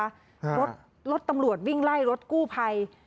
รถรถตำรวจวิ่งไล่รถกู้ภัย